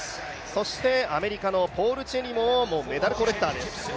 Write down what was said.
そしてアメリカのポール・チェリモメダルコレクターです。